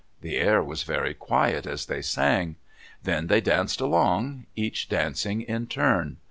The air was very quiet as they sang. Then they danced along, each dancing in turn.